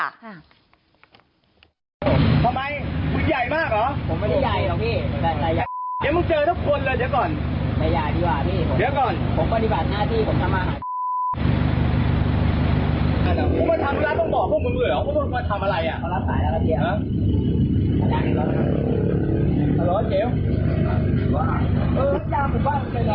ตรงนี้แหละต้องบอกว่าพวกมันเวื่อว่าพวกมันทำอะไรอ่ะ